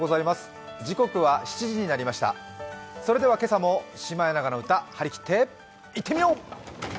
それでは今朝も「シマエナガの歌」張り切っていってみよう！